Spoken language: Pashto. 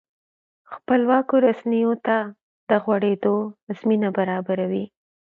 خپلواکو رسنیو ته د غوړېدو زمینه برابروي.